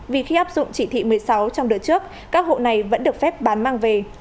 vì khi áp dụng chỉ thị một mươi sáu trong đợt trước các hộ này vẫn được phép bán mang về